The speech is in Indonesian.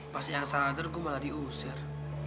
pas yang sadar gue malah diusir